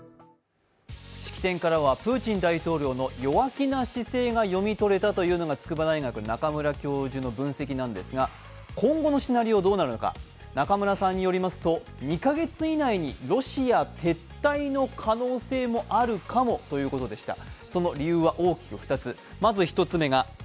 式典からのプーチン大統領の弱気な姿勢が読み取れたというのが筑波大学・中村教授の分析なんですが今後のシナリオどうなるのか中村さんによりますと、２カ月以内にロシア撤退の可能性もあるかもということでした。